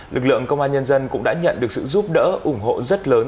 lực lượng công an nhân dân cũng đã nhận được sự giúp đỡ ủng hộ rất lớn